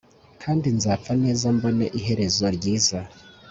Kandi nzapfa neza mbone iherezo ryiza